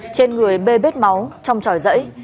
trên người bê bết máu trong tròi dãy